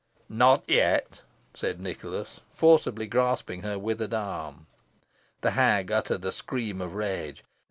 "Not yet," cried Nicholas, forcibly grasping her withered arm. The hag uttered a scream of rage.